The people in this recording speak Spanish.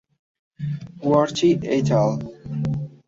Worthy et al.